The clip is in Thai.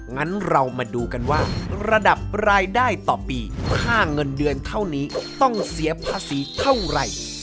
งั้นเรามาดูกันว่าระดับรายได้ต่อปีค่าเงินเดือนเท่านี้ต้องเสียภาษีเท่าไหร่